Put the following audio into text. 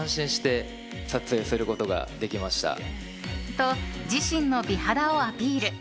と、自身の美肌をアピール。